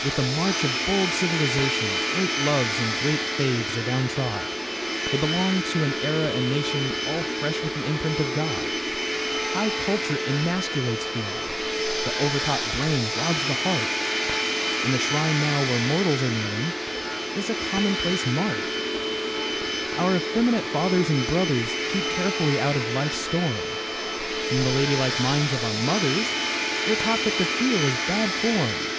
With the march of bold civilization, Great loves and great faiths are down trod, They belonged to an era and nation All fresh with the imprint of God. High culture emasculates feeling, The over taught brain robs the heart, And the shrine now where mortals are kneeling Is a commonplace mart. Our effeminate fathers and brothers Keep carefully out of life's storm, From the ladylike minds of our mothers We are taught that to feel is "bad form."